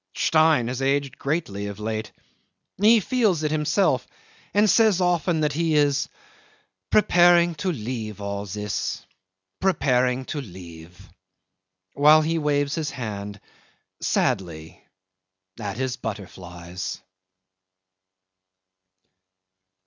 Stein has aged greatly of late. He feels it himself, and says often that he is "preparing to leave all this; preparing to leave ..." while he waves his hand sadly at his butterflies.